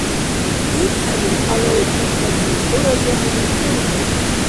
ИтхӀели, ГӀялаудин-ази, хӀура жагьли ургади?